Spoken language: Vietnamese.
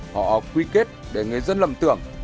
họ quy kết để người dân lầm tưởng